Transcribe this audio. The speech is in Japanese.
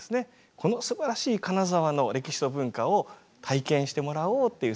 このすばらしい金沢の歴史と文化を体験してもらおうっていう。